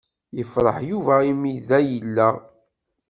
Yefṛeḥ Yuba imi da i yella.